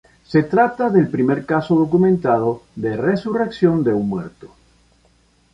Se trata del primer caso documentado de resurrección de un muerto.